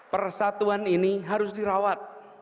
persatuan ini harus dirawat